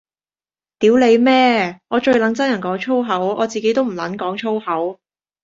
屌你咩，我最撚憎人講粗口，我自己都唔撚講粗口